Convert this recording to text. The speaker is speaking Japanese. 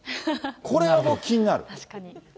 これはもう気になる。